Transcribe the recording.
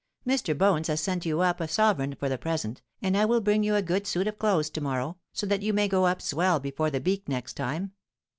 Mr. Bones has sent you up a sovereign for the present, and I will bring you a good suit of clothes to morrow, so that you may go up swell before the beak next time.